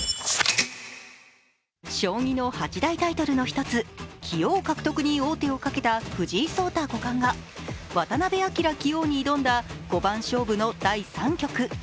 将棋の八大タイトルの一つ棋王獲得に王手をかけた藤井聡太五冠が渡辺明棋王に挑んだ五番勝負の第３局。